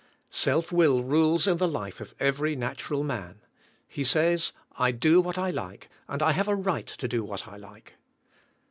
Self will rules in the life of every natural man. He says, "I do what I like and I have a right to do what I like."